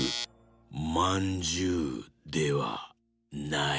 まんじゅうではない。